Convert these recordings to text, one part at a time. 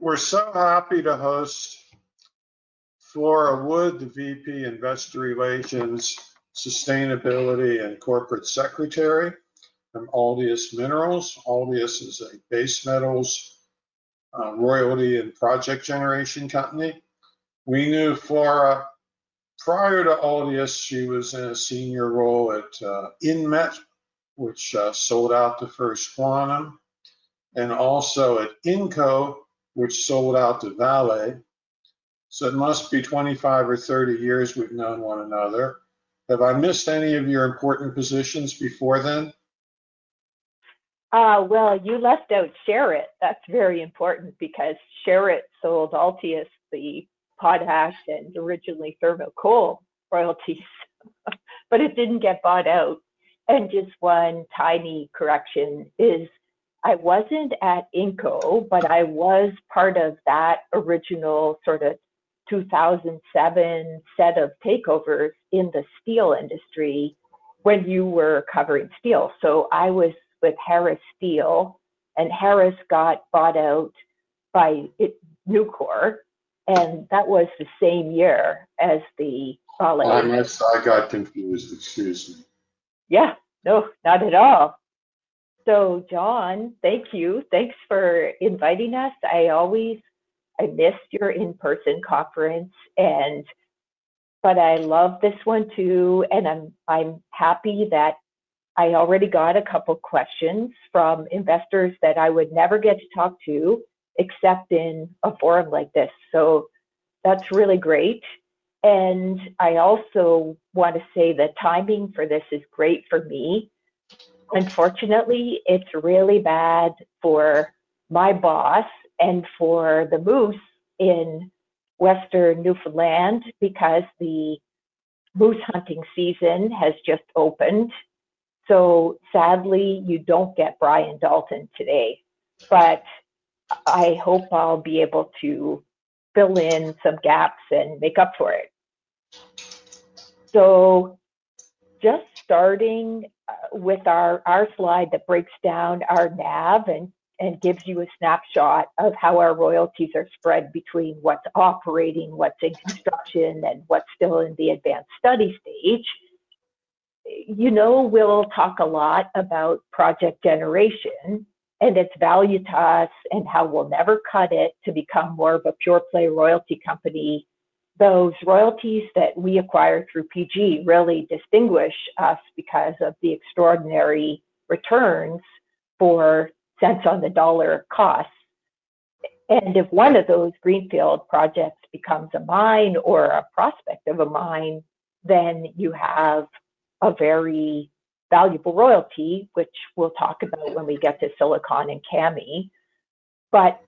We're so happy to host Flora Wood, the VP, Investor Relations, Sustainability, and Corporate Secretary from Altius Minerals. Altius is a base metals, royalty, and project generation company. We knew Flora prior to Altius. She was in a senior role at Inmet, which sold out to First Quantum, and also at Inco, which sold out to Vale. It must be 25 or 30 years we've known one another. Have I missed any of your important positions before then? You left out Sherritt. That's very important because Sherritt sold Altius the potash and originally thermal coal royalties, but it didn't get bought out. Just one tiny correction is I wasn't at Inco, but I was part of that original sort of 2007 set of takeovers in the steel industry when you were covering steel. I was with Harris Steel, and Harris got bought out by Nucor, and that was the same year as the falling. I got confused. Excuse me. Yeah, no, not at all. John, thank you. Thanks for inviting us. I always miss your in-person conference, but I love this one too. I'm happy that I already got a couple of questions from investors that I would never get to talk to except in a forum like this. That's really great. I also want to say the timing for this is great for me. Unfortunately, it's really bad for my boss and for the moose in Western Newfoundland because the moose hunting season has just opened. Sadly, you don't get Brian Dalton today, but I hope I'll be able to fill in some gaps and make up for it. Just starting with our slide that breaks down our NAV and gives you a snapshot of how our royalties are spread between what's operating, what's in construction, and what's still in the advanced study stage. We'll talk a lot about project generation and its value to us and how we'll never cut it to become more of a pure play royalty company. Those royalties that we acquire through project generation really distinguish us because of the extraordinary returns for cents on the dollar cost. If one of those greenfield projects becomes a mine or a prospect of a mine, then you have a very valuable royalty, which we'll talk about when we get to Silicon and Kami.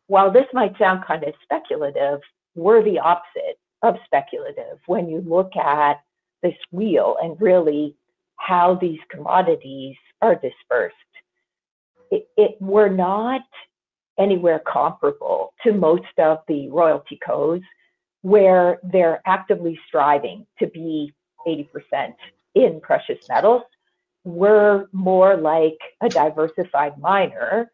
While this might sound kind of speculative, we're the opposite of speculative when you look at this wheel and really how these commodities are dispersed. We're not anywhere comparable to most of the royalty companies where they're actively striving to be 80% in precious metal. We're more like a diversified miner.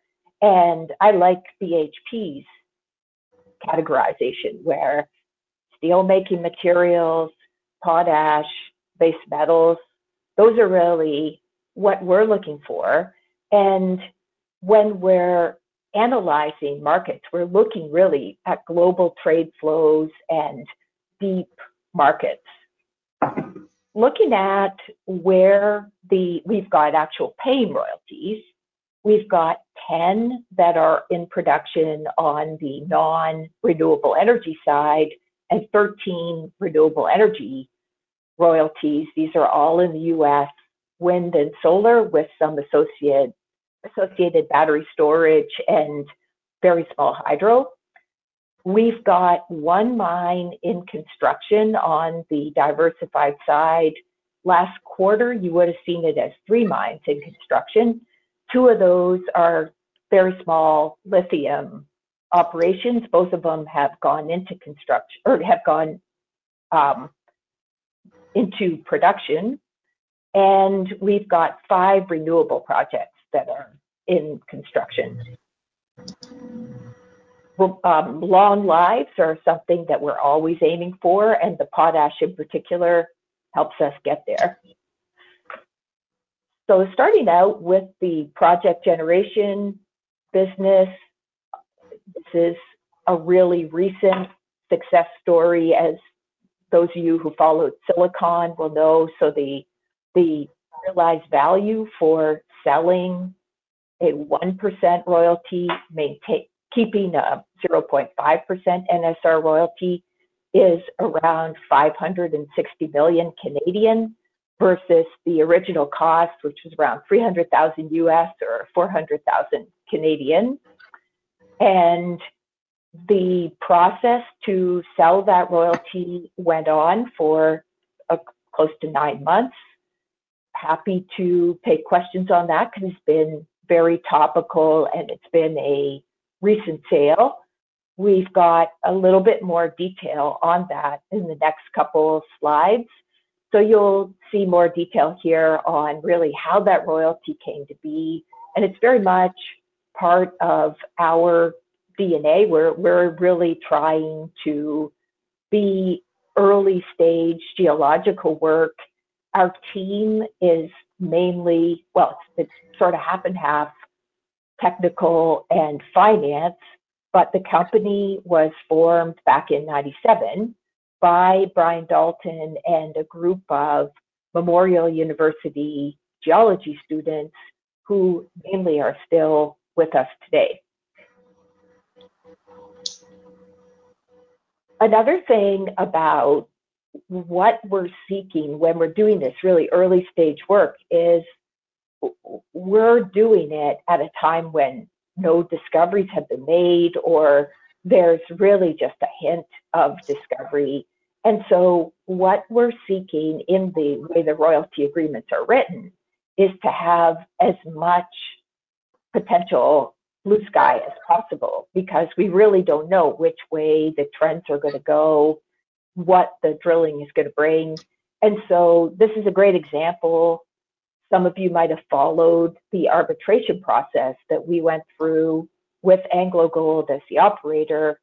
I like the HP's categorization where steelmaking materials, potash, base metals, those are really what we're looking for. When we're analyzing markets, we're looking really at global trade flows and deep markets. Looking at where we've got actual paying royalties, we've got 10 that are in production on the non-renewable energy side and 13 renewable energy royalties. These are all in the U.S., wind and solar, with some associated battery storage and very small hydro. We've got one mine in construction on the diversified side. Last quarter, you would have seen it as three mines in construction. Two of those are very small lithium operations. Both of them have gone into construction or have gone into production. We've got five renewable projects that are in construction. Long lives are something that we're always aiming for, and the potash in particular helps us get there. Starting out with the project generation business, this is a really recent success story, as those of you who followed Silicon will know. The slide's value for selling a 1% royalty, keeping a 0.5% NSR royalty, is around 560 million versus the original cost, which was around $300,000 or CAD $400,000. The process to sell that royalty went on for close to nine months. Happy to take questions on that because it's been very topical and it's been a recent sale. We've got a little bit more detail on that in the next couple of slides. You'll see more detail here on really how that royalty came to be. It's very much part of our DNA. We're really trying to be early-stage geological work. Our team is mainly, well, it's sort of half and half technical and finance, but the company was formed back in 1997 by Brian Dalton and a group of Memorial University geology students who mainly are still with us today. Another thing about what we're seeking when we're doing this really early-stage work is we're doing it at a time when no discoveries have been made or there's really just a hint of discovery. What we're seeking in the way the royalty agreements are written is to have as much potential blue sky as possible because we really don't know which way the trends are going to go, what the drilling is going to bring. This is a great example. Some of you might have followed the arbitration process that we went through with AngloGold as the operator.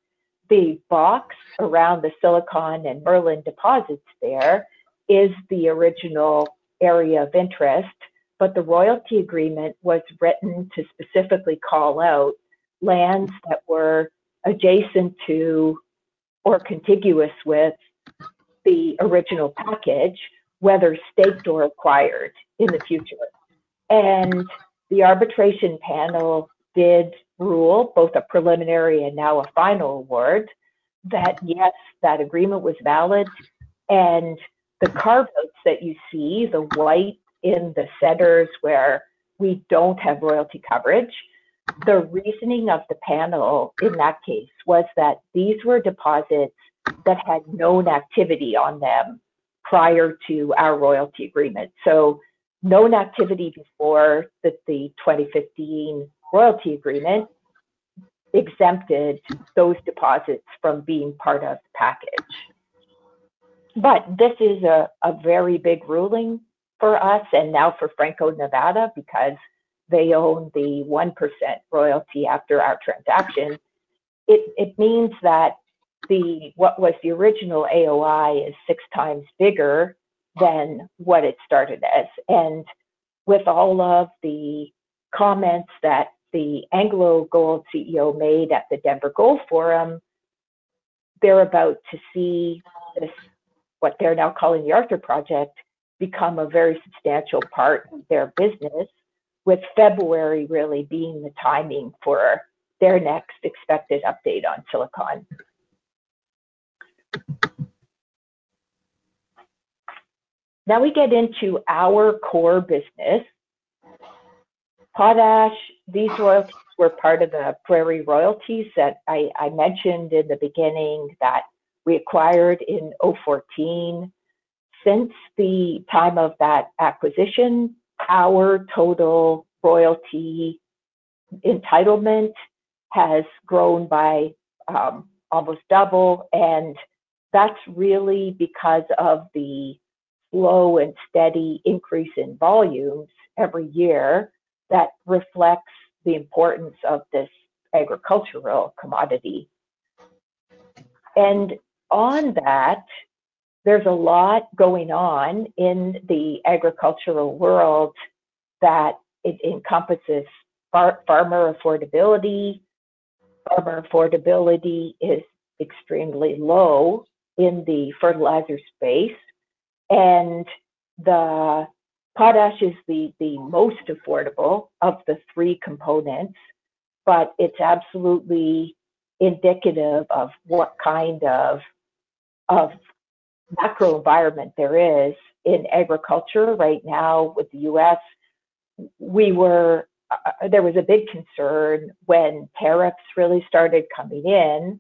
The box around the Silicon and Merlin deposits there is the original area of interest, but the royalty agreement was written to specifically call out lands that were adjacent to or contiguous with the original plunkage, whether staked or acquired in the future. The arbitration panel did rule both a preliminary and now a final award that yes, that agreement was valid. The carvings that you see, the white in the centers where we don't have royalty coverage, the reasoning of the panel in that case was that these were deposits that had known activity on them prior to our royalty agreement. Known activity before the 2015 royalty agreement exempted those deposits from being part of the package. This is a very big ruling for us and now for Franco-Nevada because they own the 1% royalty after our transaction. It means that what was the original AOI is 6x bigger than what it started as. With all of the comments that the AngloGold CEO made at the Denver Gold Forum, they're about to see this, what they're now calling the Arthur Project, become a very substantial part of their business, with February really being the timing for their next expected update on Silicon. Now we get into our core business. Potash, these royalties were part of the Prairie Royalty that I mentioned in the beginning that we acquired in 2004. Since the time of that acquisition, our total royalty entitlement has grown by almost double, and that's really because of the low and steady increase in volumes every year that reflects the importance of this agricultural commodity. On that, there's a lot going on in the agricultural world that encompasses farmer affordability. Farmer affordability is extremely low in the fertilizer space, and the potash is the most affordable of the three components, but it's absolutely indicative of what kind of macro environment there is in agriculture right now with the U.S. There was a big concern when tariffs really started coming in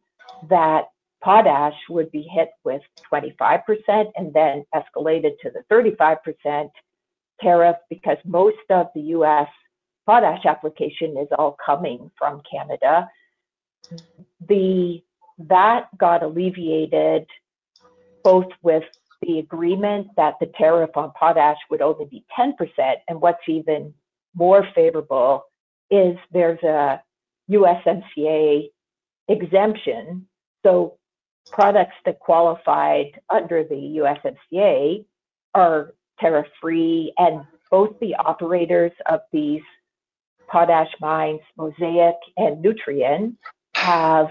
that potash would be hit with 25% and then escalated to the 35% tariff because most of the U.S. potash application is all coming from Canada. That got alleviated both with the agreement that the tariff on potash would only be 10%, and what's even more favorable is there's a USMCA exemption. Products that qualified under the USMCA are tariff-free, and both the operators of these potash mines, Mosaic and Nutrien, have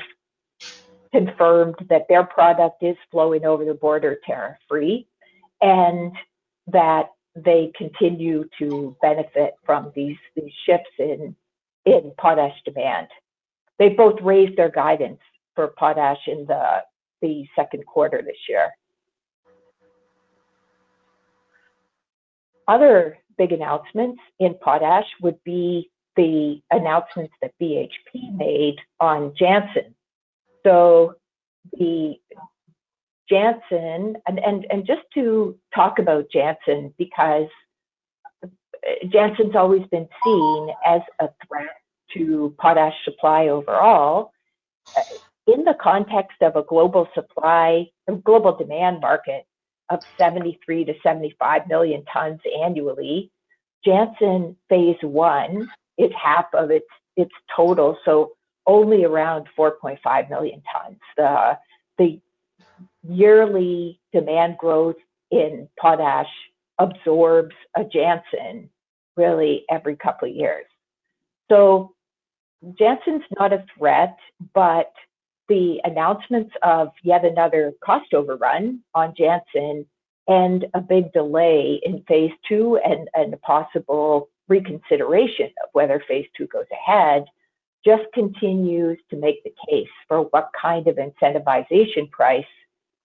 confirmed that their product is flowing over the border tariff-free and that they continue to benefit from these shifts in potash demand. They both raised their guidance for potash in the second quarter this year. Other big announcements in potash would be the announcements that BHP made on Jansen. The Jansen, and just to talk about Jansen because Jansen's always been seen as a threat to potash supply overall. In the context of a global supply and global demand market of 73 million tons-75 million tons annually, Jansen phase I, it's half of its total, so only around 4.5 million tons. The yearly demand growth in potash absorbs a Jansen really every couple of years. Jansen's not a threat, but the announcements of yet another cost overrun on Jansen and a big delay in phase II and a possible reconsideration of whether phase II goes ahead just continues to make the case for what kind of incentivization price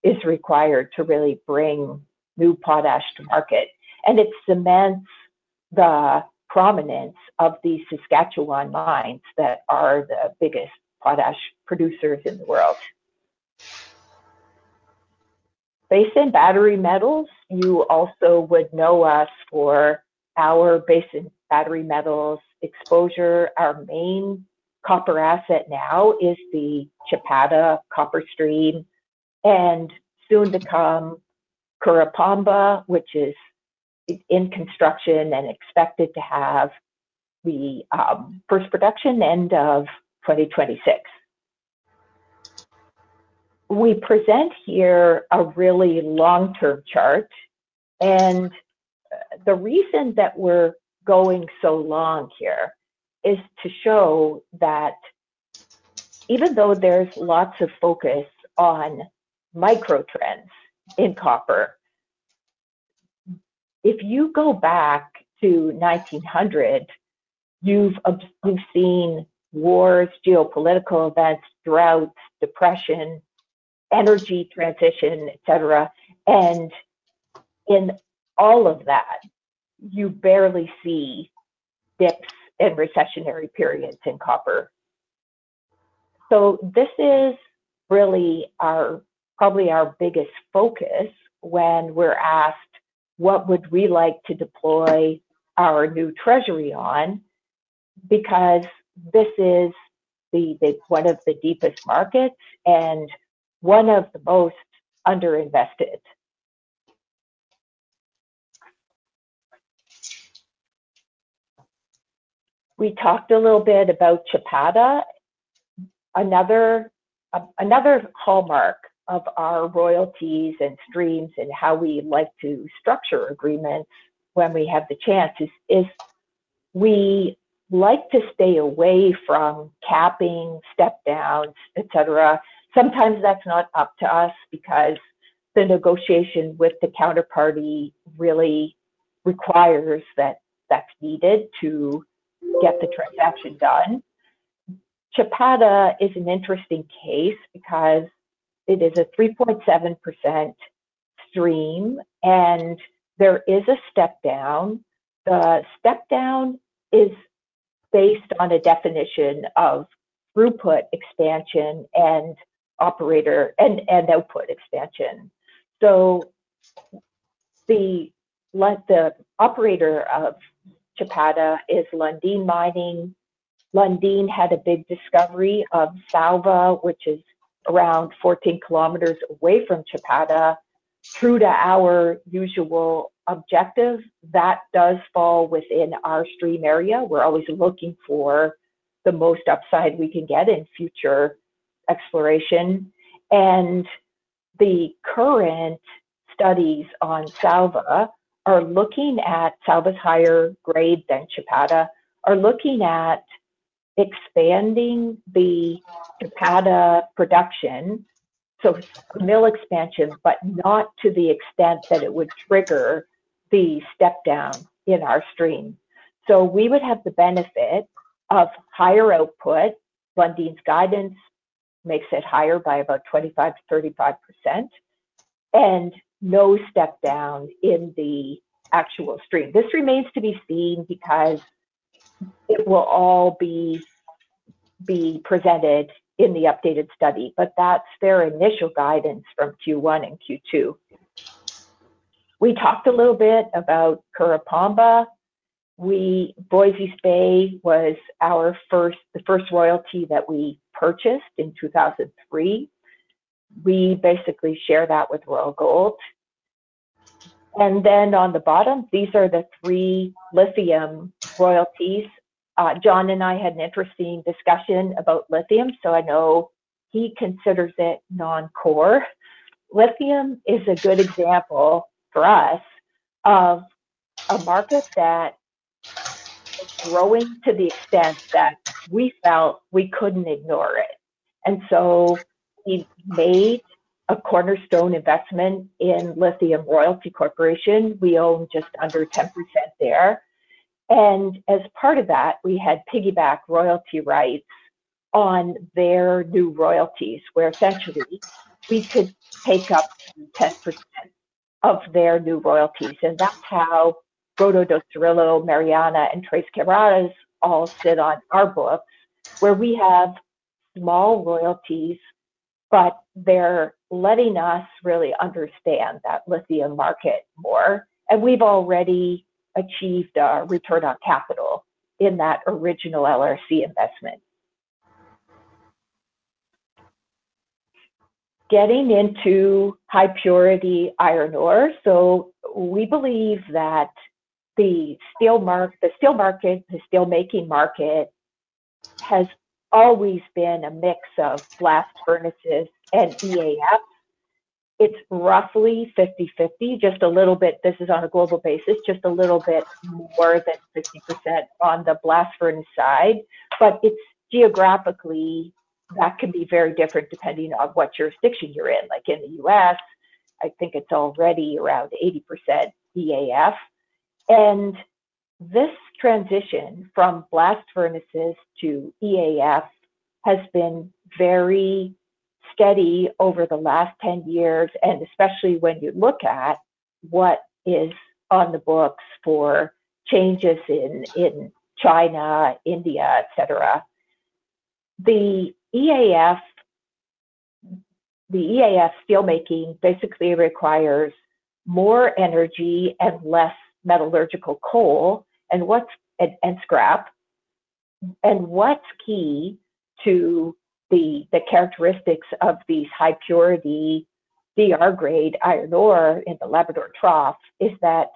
is required to really bring new potash to market. It cements the prominence of the Saskatchewan mines that are the biggest potash producers in the world. Basin battery metals, you also would know us for our basin battery metals exposure. Our main copper asset now is the Chapada copper stream and soon to come Curipamba, which is in construction and expected to have the first production end of 2026. We present here a really long-term chart, and the reason that we're going so long here is to show that even though there's lots of focus on micro trends in copper, if you go back to 1900, you've seen wars, geopolitical events, droughts, depression, energy transition, etc. In all of that, you barely see dips and recessionary periods in copper. This is really probably our biggest focus when we're asked what would we like to deploy our new treasury on because this is one of the deepest markets and one of the most underinvested. We talked a little bit about Chapada. Another hallmark of our royalties and streams and how we like to structure agreements when we have the chance is we like to stay away from capping, step downs, etc. Sometimes that's not up to us because the negotiation with the counterparty really requires that that's needed to get the transaction done. Chapada is an interesting case because it is a 3.7% stream and there is a step down. The step down is based on a definition of throughput expansion and output expansion. The operator of Chapada is Lundin Mining. Lundin had a big discovery of Saúva, which is around 14 km away from Chapada. True to our usual objective, that does fall within our stream area. We're always looking for the most upside we can get in future exploration. The current studies on Saúva are looking at Saúva's higher grade than Chapada, are looking at expanding the Chapada production, so mill expansion, but not to the extent that it would trigger the step down in our stream. We would have the benefit of higher output. Lundin's guidance makes it higher by about 25%-35% and no step down in the actual stream. This remains to be seen because it will all be presented in the updated study, but that's their initial guidance from Q1 and Q2. We talked a little bit about Curipamba. Voise's Bay was our first, the first royalty that we purchased in 2003. We basically share that with Royal Gold. On the bottom, these are the three lithium royalties. John and I had an interesting discussion about lithium, so I know he considers it non-core. Lithium is a good example for us of a market that is growing to the extent that we felt we couldn't ignore it. We have made a cornerstone investment in Lithium Royalty Corporation. We own just under 10% there. As part of that, we had piggyback royalty rights on their new royalties where essentially we could take up 10% of their new royalties. That's how Grota do Cirilo, Mariana, and Tres Quebradas all sit on our books where we have small royalties, but they're letting us really understand that lithium market more. We've already achieved our return on capital in that original LRC investment. Getting into high-purity iron ore, we believe that the steel market, the steelmaking market, has always been a mix of blast furnaces and EAF. It's roughly 50/50, just a little bit. This is on a global basis, just a little bit more than 50% on the blast furnace side. Geographically, that can be very different depending on what jurisdiction you're in. In the U.S., I think it's already around 80% EAF. This transition from blast furnaces to EAF has been very steady over the last 10 years, especially when you look at what is on the books for changes in China, India, etc. The EAF steelmaking basically requires more energy and less metallurgical coal and what's an end scrap. What's key to the characteristics of these high-purity DR grade iron ore in the Labrador Trough is that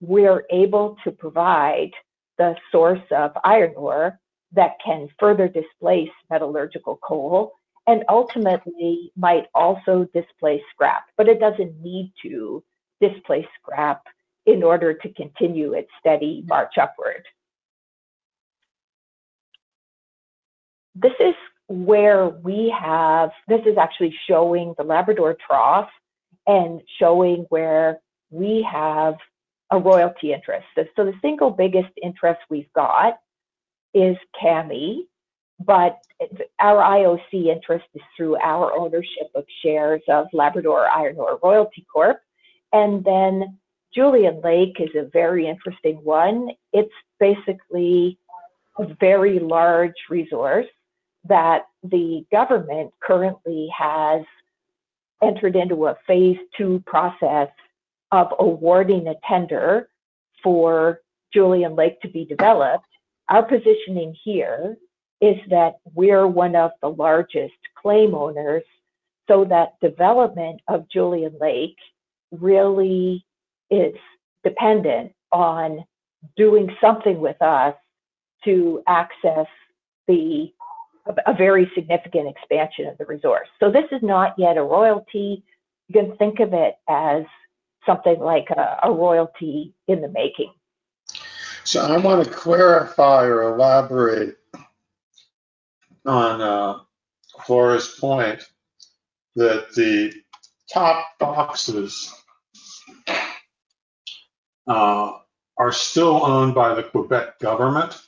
we're able to provide the source of iron ore that can further displace metallurgical coal and ultimately might also displace scrap, but it doesn't need to displace scrap in order to continue its steady march upward. This is where we have, this is actually showing the Labrador Trough and showing where we have a royalty interest. The single biggest interest we've got is Kami, but our IOC interest is through our ownership of shares of Labrador Iron Ore Royalty Corp. Julian Lake is a very interesting one. It's basically a very large resource that the government currently has entered into a phase II process of awarding a tender for Julian Lake to be developed. Our positioning here is that we're one of the largest claim owners, so that development of Julian Lake really is dependent on doing something with us to access a very significant expansion of the resource. This is not yet a royalty. You can think of it as something like a royalty in the making. I want to clarify or elaborate on Horace's point that the top boxes are still owned by the Quebec government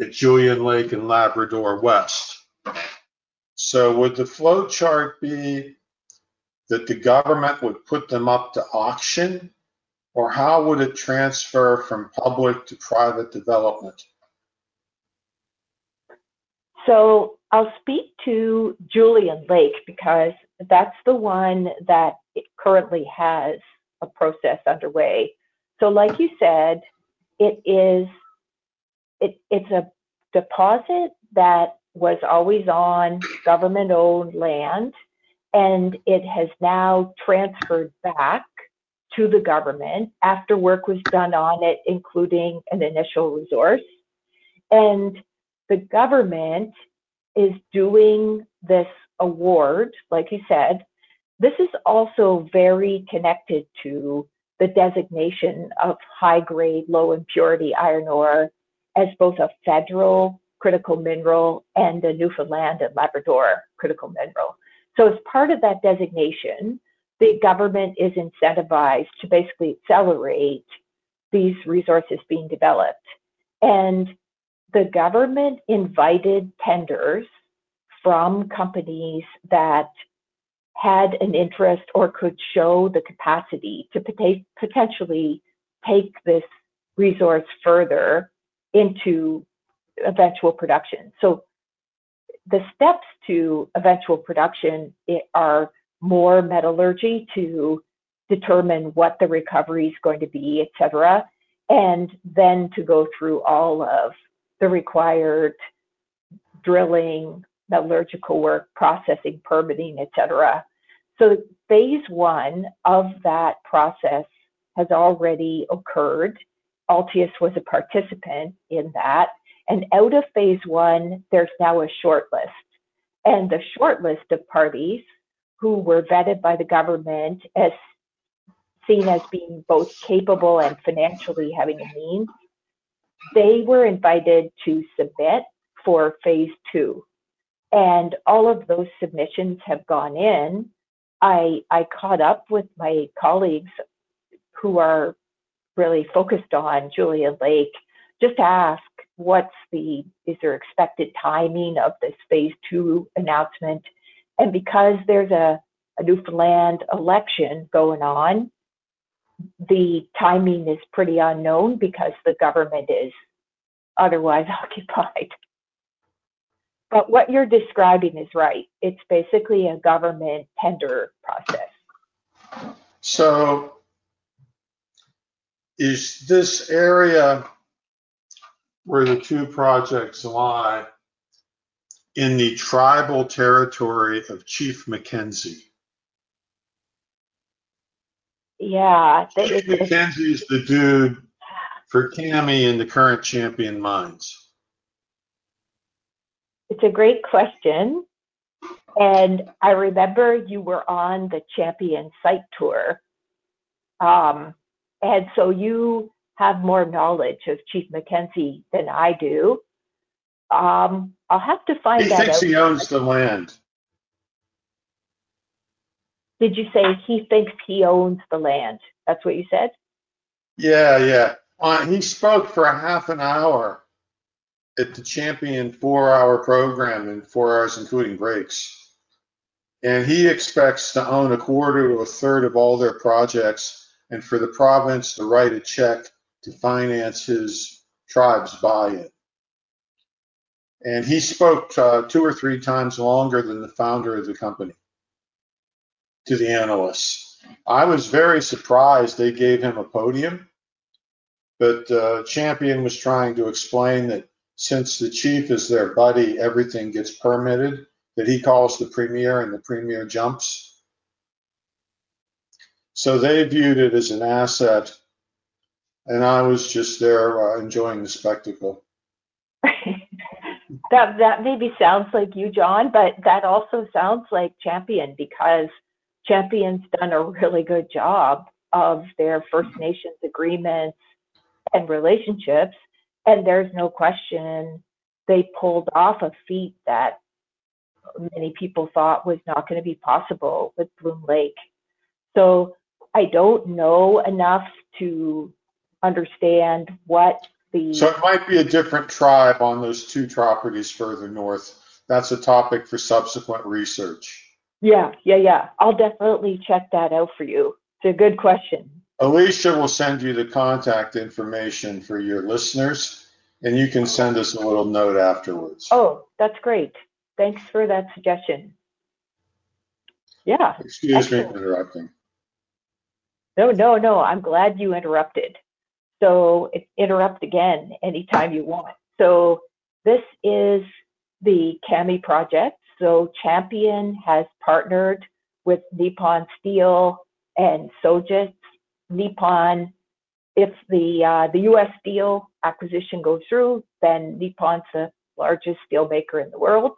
at Julian Lake and Labrador West. Would the flowchart be that the government would put them up to auction, or how would it transfer from public to private development? I'll speak to Julian Lake because that's the one that currently has a process underway. Like you said, it's a deposit that was always on government-owned land, and it has now transferred back to the government after work was done on it, including an initial resource. The government is doing this award, like you said. This is also very connected to the designation of high-grade, low-impurity iron ore as both a federal critical mineral and a Newfoundland and Labrador critical mineral. As part of that designation, the government is incentivized to basically accelerate these resources being developed. The government invited tenders from companies that had an interest or could show the capacity to potentially take this resource further into eventual production. The steps to eventual production are more metallurgy to determine what the recovery is going to be, etc., and then to go through all of the required drilling, metallurgical work, processing, permitting, etc. Phase I of that process has already occurred. Altius was a participant in that. Out of phase I, there's now a shortlist. The shortlist of parties who were vetted by the government as seen as being both capable and financially having a name, they were invited to submit for phase II. All of those submissions have gone in. I caught up with my colleagues who are really focused on Julian Lake. I just asked what's the expected timing of this phase II announcement. Because there's a Newfoundland election going on, the timing is pretty unknown because the government is otherwise occupied. What you're describing is right. It's basically a government tender process. Is this area where the two projects lie in the tribal territory of Chief Mackenzie? Yeah. Chief Mackenzie is the dune for Kami and the current Champion mines. It's a great question. I remember you were on the Champion site tour, so you have more knowledge of Chief Mackenzie than I do. I'll have to find out. He thinks he owns the land. Did you say he thinks he owns the land? That's what you said? Yeah, yeah. He spoke for half an hour at the Champion four-hour program in four hours, including breaks. He expects to own 1/4-1/3 of all their projects and for the province to write a check to finance his tribe's buy-in. He spoke two or 3x longer than the founder of the company to the analysts. I was very surprised they gave him a podium. The Champion was trying to explain that since the Chief is their buddy, everything gets permitted, that he calls the Premier and the Premier jumps. They viewed it as an asset. I was just there enjoying the spectacle. That maybe sounds like you, John, but that also sounds like Champion because Champion's done a really good job of their First Nations agreements and relationships. There's no question they pulled off a feat that many people thought was not going to be possible with Bloom Lake. I don't know enough to understand what the. It might be a different tribe on those two properties further north. That's a topic for subsequent research. Yeah, I'll definitely check that out for you. It's a good question. Alicia will send you the contact information for your listeners, and you can send us a little note afterward. Oh, that's great. Thanks for that suggestion. Yeah. Excuse me for interrupting. I'm glad you interrupted. Interrupt again anytime you want. This is the Kami project. Champion has partnered with Nippon Steel and Sojitz. If the U.S. Steel acquisition goes through, then Nippon's the largest steelmaker in the world.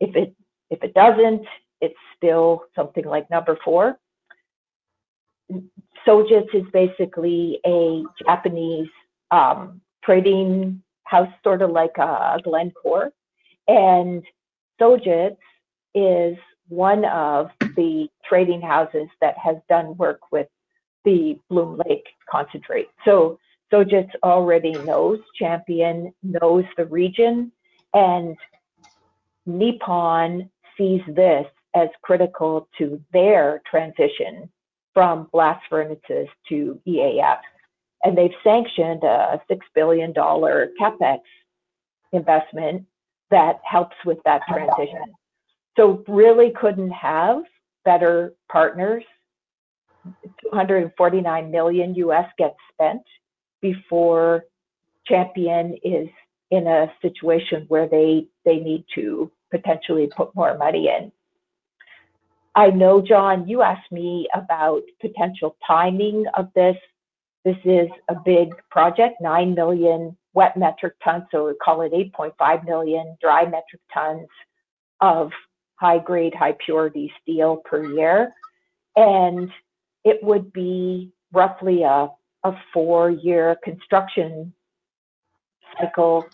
If it doesn't, it's still something like number four. Sojitz is basically a Japanese trading house, sort of like a Glencore. Sojitz is one of the trading houses that has done work with the Bloom Lake concentrate. Sojitz already knows Champion, knows the region, and Nippon sees this as critical to their transition from blast furnaces to EAF. They've sanctioned a $6 billion CapEx investment that helps with that transition. Really couldn't have better partners. $249 million gets spent before Champion is in a situation where they need to potentially put more money in. I know, John, you asked me about potential timing of this. This is a big project, 9 million wet metric tons, or we call it 8.5 million dry metric tons of high-grade, high-purity steel per year. It would be roughly a four-year construction cycle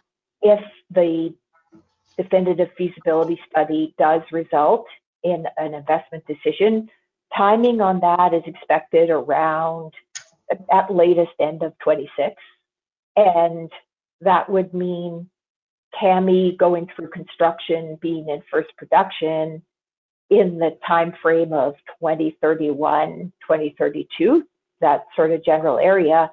if the definitive feasibility study does result in an investment decision. Timing on that is expected around at latest end of 2026. That would mean Kami going through construction, being in first production in the timeframe of 2031, 2032, that sort of general area.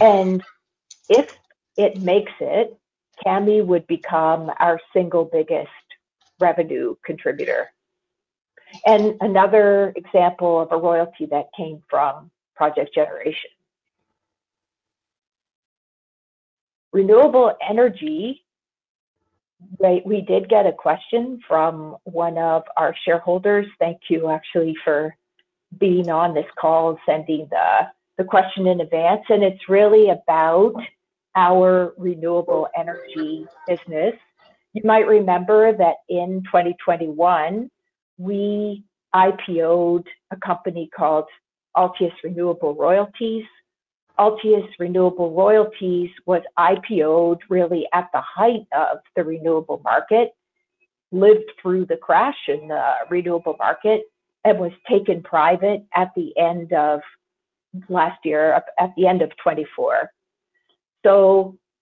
If it makes it, Kami would become our single biggest revenue contributor. Another example of a royalty that came from project generation. Renewable energy, right? We did get a question from one of our shareholders. Thank you, actually, for being on this call and sending the question in advance. It's really about our renewable energy business. You might remember that in 2021, we IPO'd a company called Altius Renewable Royalties. Altius Renewable Royalties was IPO'd really at the height of the renewable market, lived through the crash in the renewable market, and was taken private at the end of last year, at the end of 2024.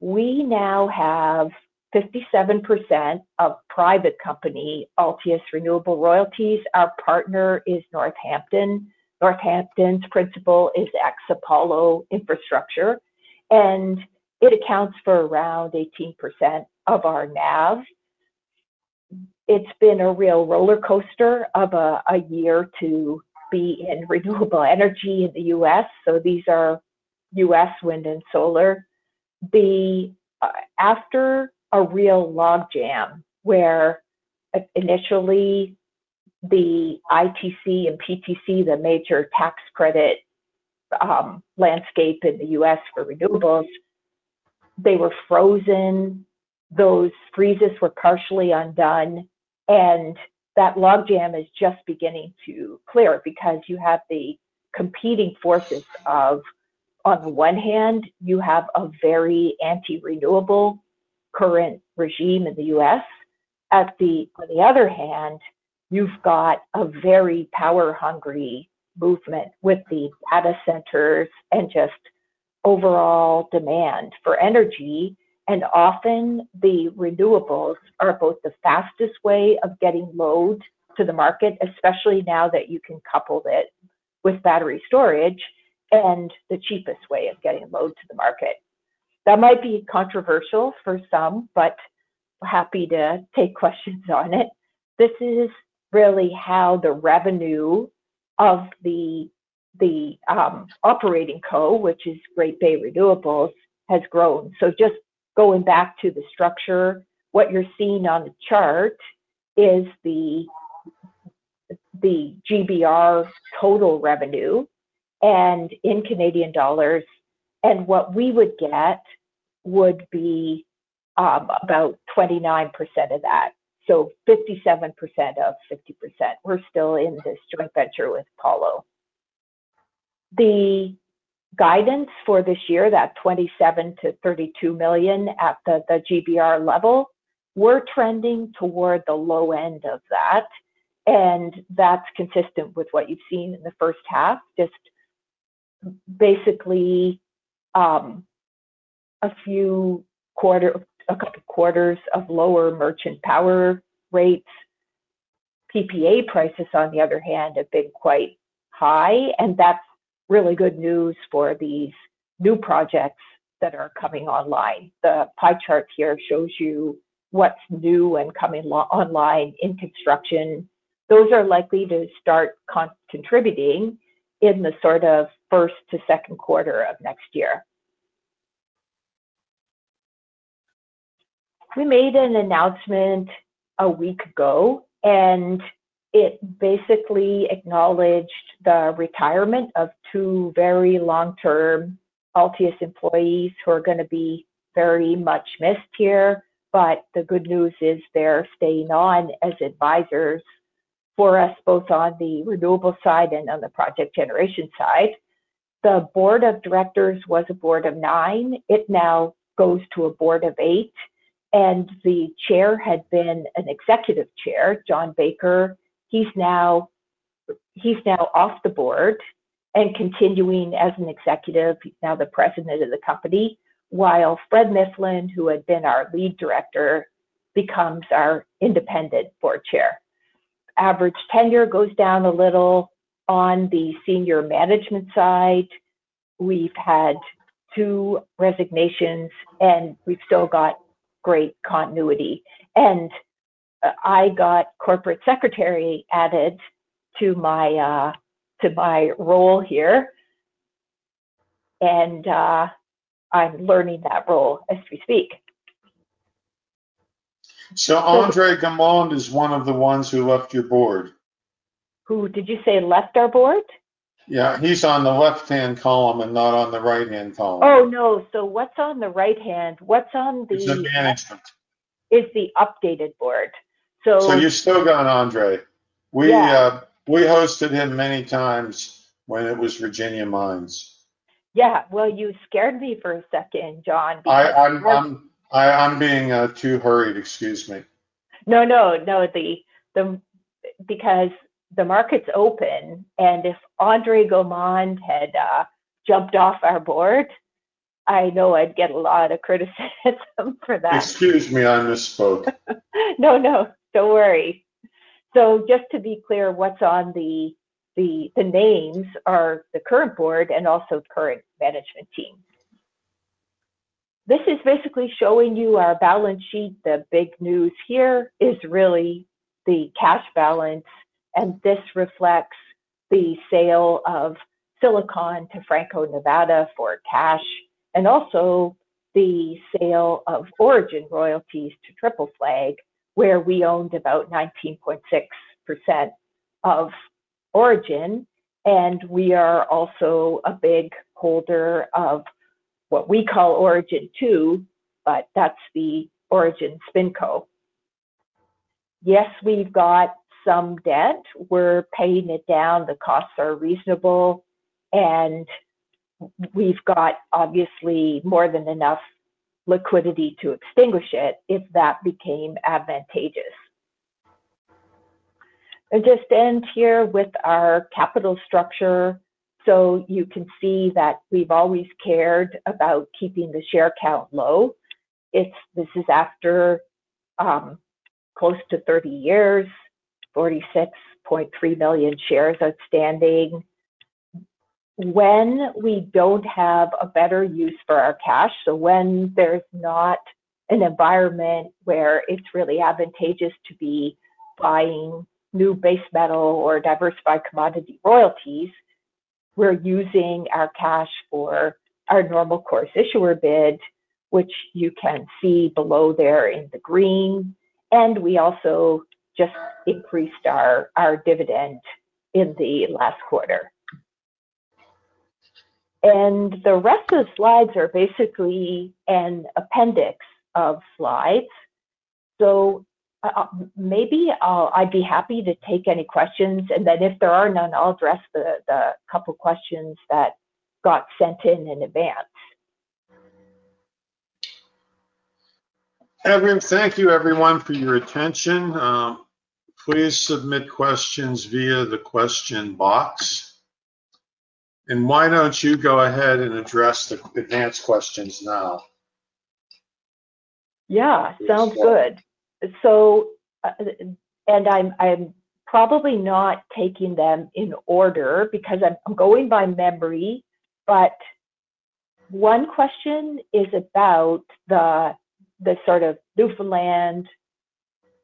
We now have 57% of private company Altius Renewable Royalties. Our partner is Northampton. Northampton's principal is ex-Apollo Infrastructure. It accounts for around 18% of our NAV. It's been a real roller coaster of a year to be in renewable energy in the U.S. These are U.S. wind and solar. After a real log jam where initially the ITC and PTC, the major tax credit landscape in the U.S. for renewables, they were frozen. Those freezes were partially undone. That log jam is just beginning to clear because you have the competing forces of, on the one hand, a very anti-renewable current regime in the U.S. On the other hand, you've got a very power-hungry movement with the data centers and just overall demand for energy. Often, the renewables are both the fastest way of getting load to the market, especially now that you can couple it with battery storage, and the cheapest way of getting load to the market. That might be controversial for some, but I'm happy to take questions on it. This is really how the revenue of the operating company, which is Great Bay Renewables, has grown. Just going back to the structure, what you're seeing on the chart is the GBR total revenue and in Canadian dollars. What we would get would be about 29% of that, so 57% of 50%. We're still in this joint venture with Apollo. The guidance for this year, that $27 million-$32 million at the GBR level, we're trending toward the low end of that, and that's consistent with what you've seen in the first half. Just basically a few quarters, a couple of quarters of lower merchant power rates. PPA prices, on the other hand, have been quite high, and that's really good news for these new projects that are coming online. The pie chart here shows you what's new and coming online in construction. Those are likely to start contributing in the sort of first to second quarter of next year. We made an announcement a week ago, and it basically acknowledged the retirement of two very long-term Altius employees who are going to be very much missed here. The good news is they're staying on as advisors for us both on the renewable side and on the project generation side. The board of directors was a board of nine. It now goes to a board of eight. The chair had been an Executive Chair, John Baker. He's now off the board and continuing as an executive. He's now the President of the company, while Fred Mifflin, who had been our Lead Director, becomes our independent Board Chair. Average tenure goes down a little on the senior management side. We've had two resignations, and we've still got great continuity. I got corporate secretary added to my role here, and I'm learning that role as we speak. André Gaumond is one of the ones who left your board? Who did you say left our board? Yeah, he's on the left-hand column and not on the right-hand column. Oh, no. What's on the right hand? What's on the. He's in management. Is the updated board. You're still going to André? Yeah. We hosted him many times when it was Virginia Mines. Yeah, you scared me for a second, John. Excuse me. I'm being too hurried. No, no, no. The market's open. If André Gaumond had jumped off our board, I know I'd get a lot of criticism for that. Excuse me, I misspoke. Don't worry. Just to be clear, what's on the names are the current board and also current management team. This is basically showing you our balance sheet. The big news here is really the cash balance. This reflects the sale of Silicon to Franco-Nevada for cash and also the sale of Orogen Royalties to Triple Flag Precious Metals, where we owned about 19.6% of Orogen. We are also a big holder of what we call Orogen II, but that's the Orogen SpinCo. Yes, we've got some debt. We're paying it down. The costs are reasonable. We've obviously got more than enough liquidity to extinguish it if that became advantageous. I'll just end here with our capital structure. You can see that we've always cared about keeping the share count low. This is after close to 30 years, 46.3 million shares outstanding. When we don't have a better use for our cash, when there's not an environment where it's really advantageous to be buying new base metal or diversified commodity royalties, we're using our cash for our normal course issuer bid, which you can see below there in the green. We also just increased our dividend in the last quarter. The rest of the slides are basically an appendix of slides. I'd be happy to take any questions. If there are none, I'll address the couple of questions that got sent in in advance. Evans, thank you, everyone, for your attention. Please submit questions via the question box. Why don't you go ahead and address the advanced questions now? Yeah, sounds good. I'm probably not taking them in order because I'm going by memory. One question is about the sort of Newfoundland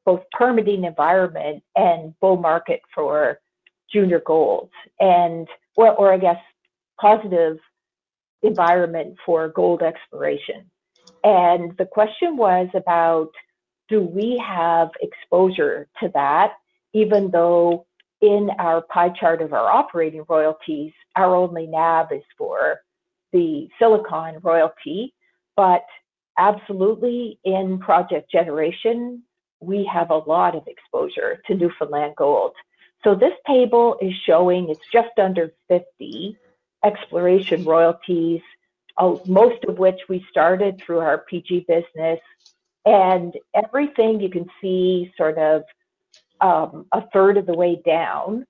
both permitting environment and bull market for junior gold, or I guess positive environment for gold exploration. The question was about, do we have exposure to that? Even though in our pie chart of our operating royalties, our only NAV is for the Silicon Royalty. Absolutely in project generation, we have a lot of exposure to Newfoundland gold. This table is showing it's just under 50 exploration royalties, most of which we started through our project generation business. Everything you can see sort of a third of the way down,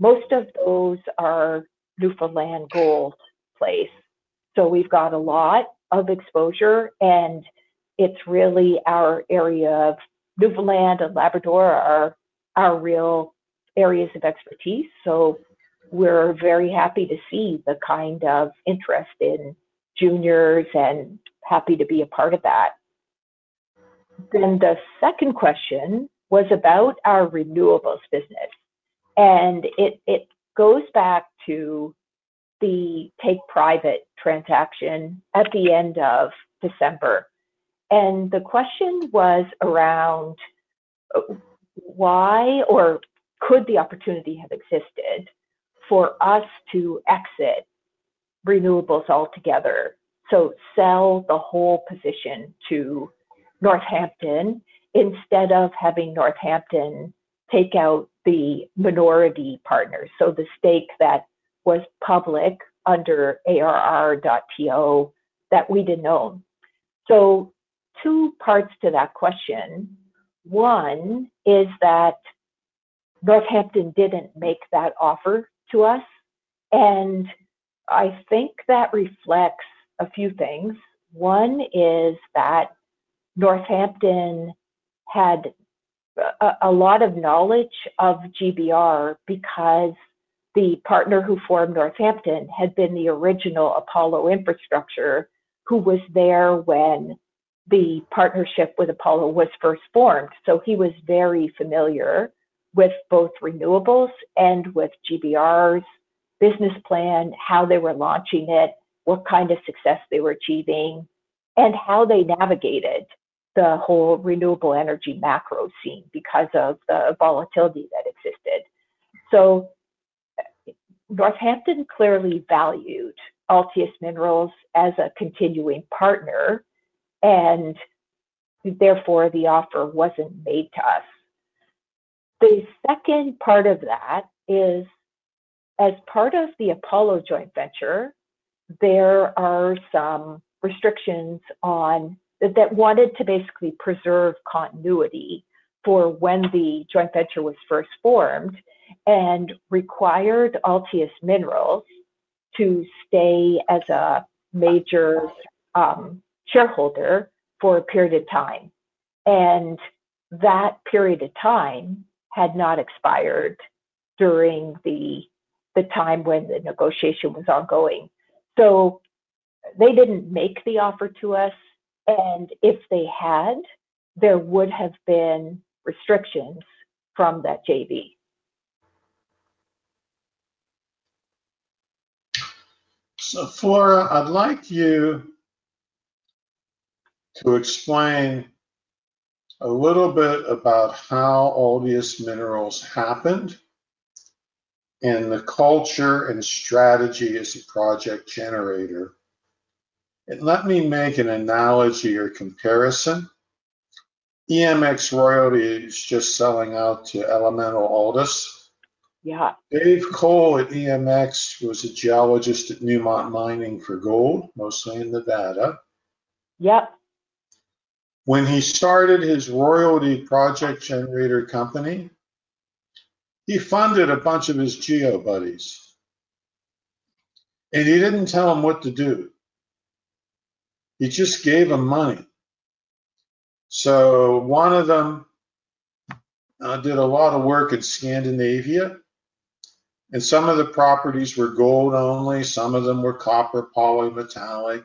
most of those are Newfoundland gold plays. We've got a lot of exposure, and it's really our area of Newfoundland and Labrador, our real areas of expertise. We're very happy to see the kind of interest in juniors and happy to be a part of that. The second question was about our renewables business. It goes back to the take-private transaction at the end of December. The question was around why or could the opportunity have existed for us to exit renewables altogether, to sell the whole position to Northampton instead of having Northampton take out the minority partners, so the stake that was public under arr.to that we didn't own. Two parts to that question. One is that Northampton didn't make that offer to us. I think that reflects a few things. One is that Northampton had a lot of knowledge of GBR because the partner who formed Northampton had been the original Apollo Infrastructure, who was there when the partnership with Apollo was first formed. He was very familiar with both renewables and with GBR's business plan, how they were launching it, what kind of success they were achieving, and how they navigated the whole renewable energy macro scene because of the volatility that existed. Northampton clearly valued Altius Minerals as a continuing partner, and therefore, the offer wasn't made to us. The second part of that is, as part of the Apollo joint venture, there are some restrictions that wanted to basically preserve continuity for when the joint venture was first formed and required Altius Minerals to stay as a major shareholder for a period of time. That period of time had not expired during the time when the negotiation was ongoing. They didn't make the offer to us, and if they had, there would have been restrictions from that JV. Flora, I'd like you to explain a little bit about how Altius Minerals happened and the culture and strategy as a project generator. Let me make an analogy or comparison. EMX Royalty is just selling out to Elemental Altus. Yeah. Dave Cole at EMX was a geologist at Newmont mining for gold, mostly in Nevada. Yep. When he started his royalty project generator company, he funded a bunch of his geo buddies. He didn't tell them what to do. He just gave them money. One of them did a lot of work in Scandinavia, and some of the properties were gold only. Some of them were copper poly-metallic.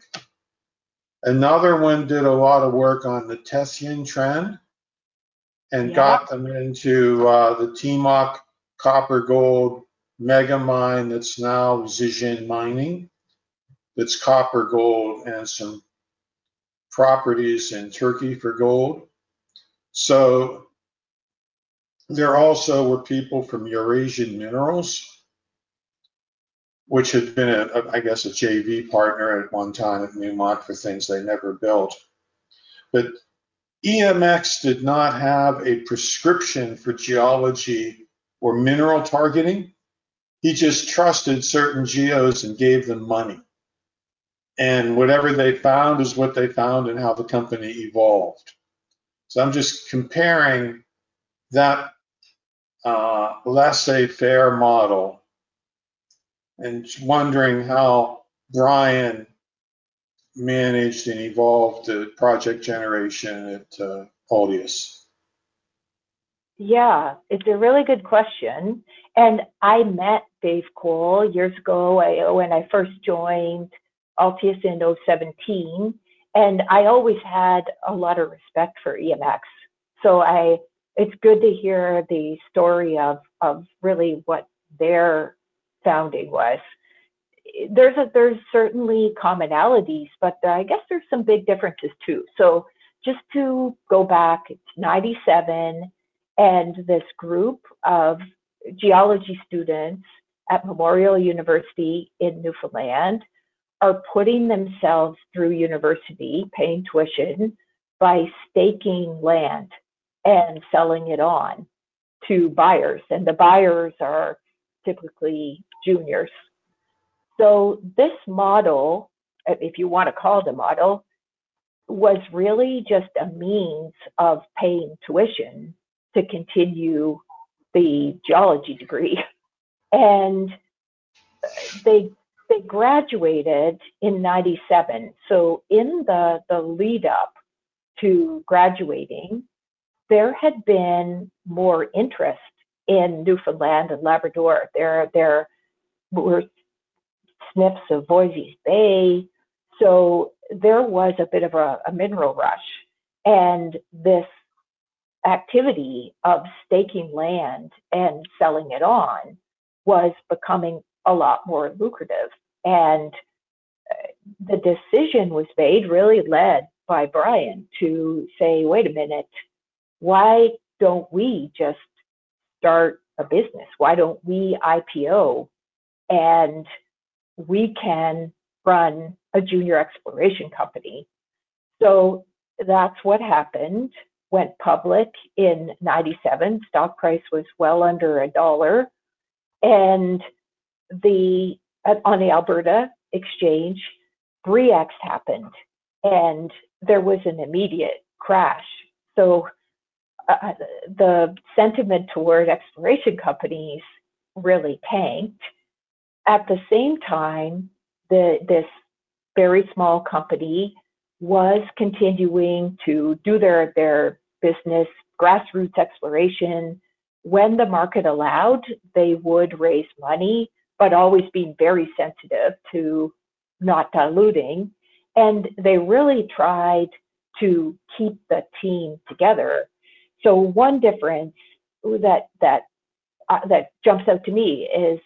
Another one did a lot of work on the Tessian trend and got them into the Timok Copper-Gold Mega Mine that's now Zijinn Mining. It's copper gold and some properties in Turkey for gold. There also were people from Eurasian Minerals, which had been a, I guess, a JV partner at one time at Newmont for things they never built. EMX did not have a prescription for geology or mineral targeting. He just trusted certain geos and gave them money. Whatever they found is what they found and how the company evolved. I'm just comparing that laissez-faire model and wondering how Brian managed and evolved the project generation at Altius. Yeah. It's a really good question. I met Dave Cole years ago when I first joined Altius in 2017, and I always had a lot of respect for EMX. It's good to hear the story of really what their founding was. There's certainly commonalities, but I guess there's some big differences too. Just to go back, in 1997, this group of geology students at Memorial University in Newfoundland are putting themselves through university, paying tuition by staking land and selling it on to buyers. The buyers are typically juniors. This model, if you want to call it a model, was really just a means of paying tuition to continue the geology degree. They graduated in 1997. In the lead-up to graduating, there had been more interest in Newfoundland and Labrador. There were snips of Voisey's Bay. There was a bit of a mineral rush. This activity of staking land and selling it on was becoming a lot more lucrative. The decision was made, really led by Brian, to say, "Wait a minute. Why don't we just start a business? Why don't we IPO and we can run a junior exploration company?" That's what happened. Went public in 1997. Stock price was well under CAD 1. On the Alberta Exchange, 3x happened. There was an immediate crash. The sentiment toward exploration companies really tanked. At the same time, this very small company was continuing to do their business, grassroots exploration. When the market allowed, they would raise money, but always being very sensitive to not diluting. They really tried to keep the team together. One difference that jumps out to me is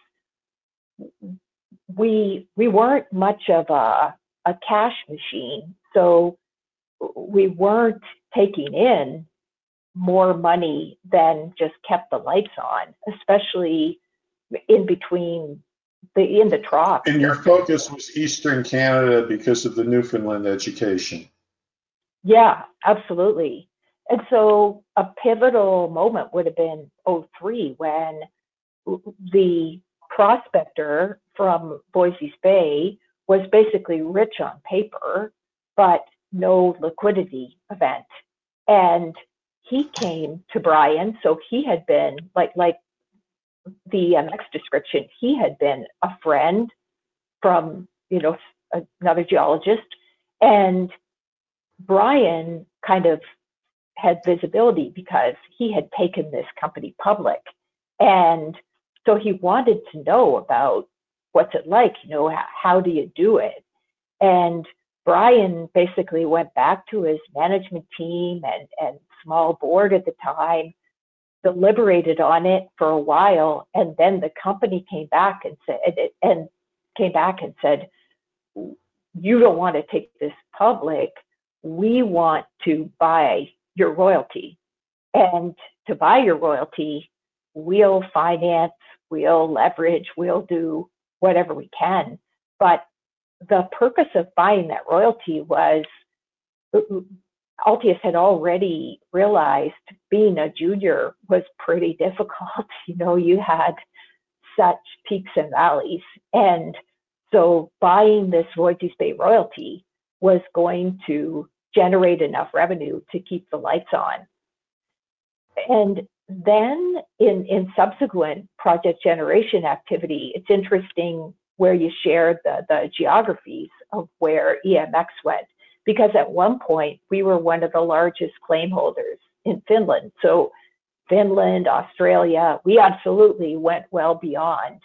we weren't much of a cash machine. We weren't taking in more money than just kept the lights on, especially in the trough. Your focus was Eastern Terra because of the Newfoundland education. Yeah, absolutely. A pivotal moment would have been 2003 when the prospector from Voisey's Bay was basically rich on paper, but no liquidity event. He came to Brian. He had been, like the EMX description, a friend from another geologist. Brian kind of had visibility because he had taken this company public. He wanted to know about what's it like, how do you do it? Brian basically went back to his management team and small board at the time, deliberated on it for a while, and then the company came back and said, "You don't want to take this public. We want to buy your royalty. To buy your royalty, we'll finance, we'll leverage, we'll do whatever we can." The purpose of buying that royalty was Altius had already realized being a junior was pretty difficult. You had such peaks and valleys. Buying this Voisey's Bay royalty was going to generate enough revenue to keep the lights on. In subsequent project generation activity, it's interesting where you share the geographies of where EMX went because at one point, we were one of the largest claim holders in Finland. Finland, Australia, we absolutely went well beyond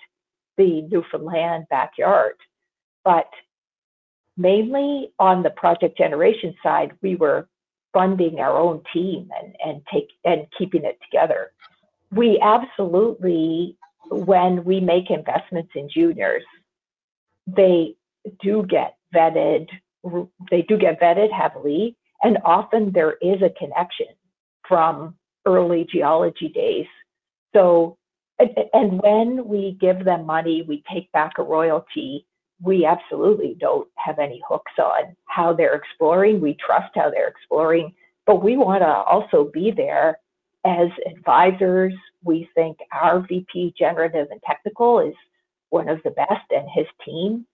the Newfoundland backyard. Mainly on the project generation side, we were funding our own team and keeping it together. We absolutely, when we make investments in juniors, they do get vetted. They do get vetted heavily. Often, there is a connection from early geology days. When we give them money, we take back a royalty. We absolutely don't have any hooks on how they're exploring. We trust how they're exploring. We want to also be there as advisors. We think our VP Generative and Technical is one of the best in his team.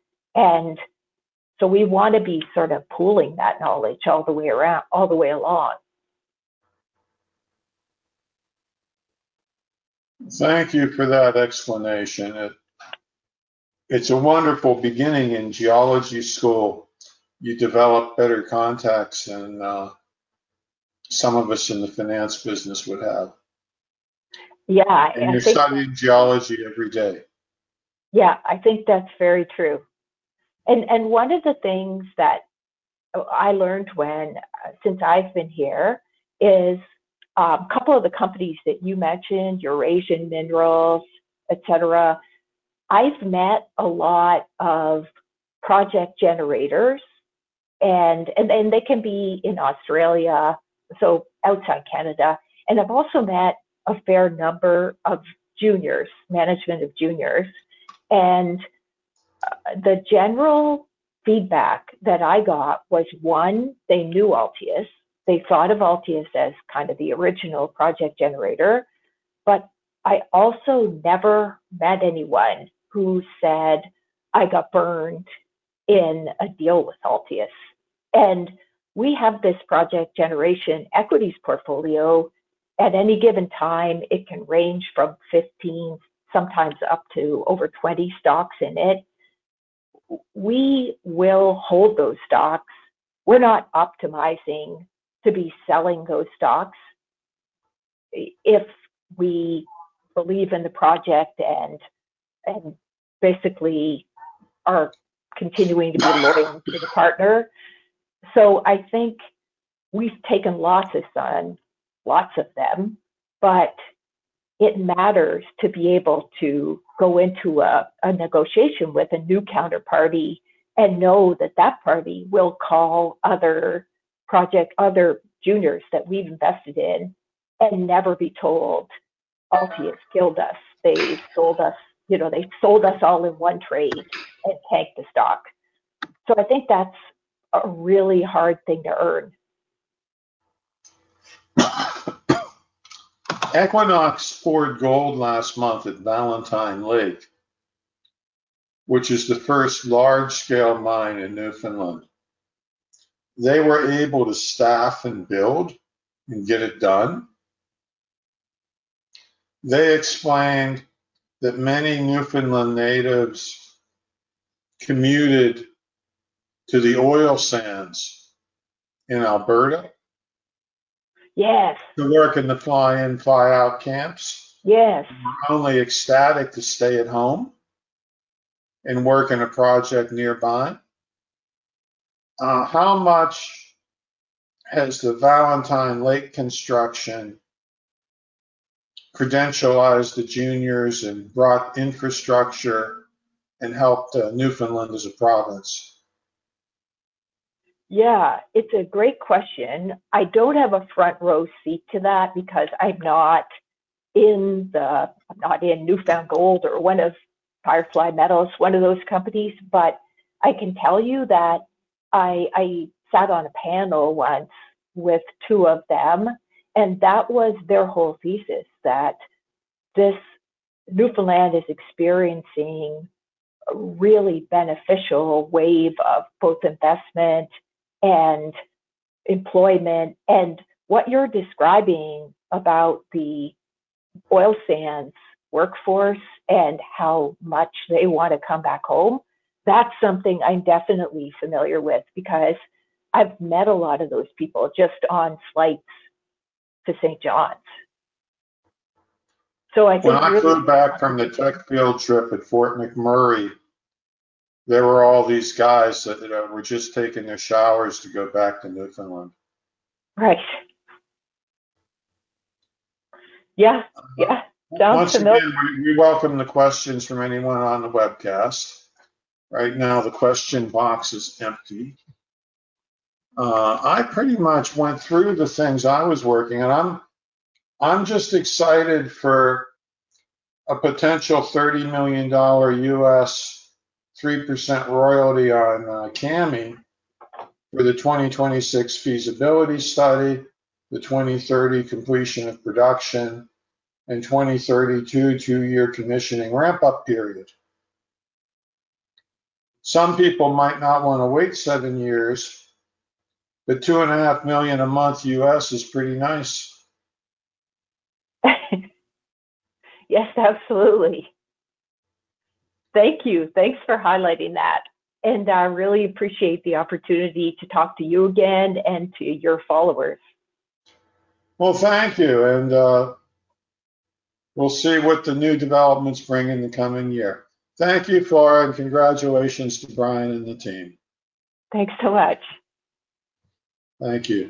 We want to be sort of pooling that knowledge all the way around, all the way along. Thank you for that explanation. It's a wonderful beginning in geology school. You develop better contacts than some of us in the finance business would have. Yeah. You're studying geology every day. Yeah. I think that's very true. One of the things that I learned since I've been here is a couple of the companies that you mentioned, Eurasian Minerals, etc., I've met a lot of project generators, and they can be in Australia, so outside Canada. I've also met a fair number of juniors, management of juniors. The general feedback that I got was, one, they knew Altius. They thought of Altius as kind of the original project generator. I also never met anyone who said, "I got burned in a deal with Altius." We have this project generation equities portfolio. At any given time, it can range from 15, sometimes up to over 20 stocks in it. We will hold those stocks. We're not optimizing to be selling those stocks if we believe in the project and basically are continuing to be willing to be the partner. I think we've taken lots of sun, lots of them, but it matters to be able to go into a negotiation with a new counterparty and know that that party will call other projects, other juniors that we've invested in and never be told, "Altius killed us. They sold us, you know, they sold us all in one trade and tanked the stock." I think that's a really hard thing to earn. Equinox for gold last month at Valentine Lake, which is the first large-scale mine in Newfoundland. They were able to staff and build and get it done. They explained that many Newfoundland natives commuted to the oil sands in Alberta. Yes. To work in the fly-in, fly-out camps. Yes. Only ecstatic to stay at home and work in a project nearby. How much has the Valentine Lake construction credentialized the juniors and brought infrastructure and helped Newfoundland as a province? Yeah. It's a great question. I don't have a front row seat to that because I'm not in Newfound Gold or Firefly Metals, one of those companies. I can tell you that I sat on a panel once with two of them, and that was their whole thesis, that Newfoundland is experiencing a really beneficial wave of both investment and employment. What you're describing about the oil sands workforce and how much they want to come back home, that's something I'm definitely familiar with because I've met a lot of those people just on flights to St. John's. I think. When I flew back from the tech field trip at Fort McMurray, there were all these guys that were just taking their showers to go back to Newfoundland. Right. Yeah, yeah. You're welcome to questions from anyone on the webcast. Right now, the question box is empty. I pretty much went through the things I was working on. I'm just excited for a potential $30 million 3% royalty on Kami, with a 2026 feasibility study, the 2030 completion of production, and 2032 two-year commissioning ramp-up period. Some people might not want to wait seven years, but $2.5 million a month U.S. is pretty nice. Yes, absolutely. Thank you. Thank you for highlighting that. I really appreciate the opportunity to talk to you again and to your followers. Thank you. We'll see what the new developments bring in the coming year. Thank you, Flora, and congratulations to Brian and the team. Thanks so much. Thank you.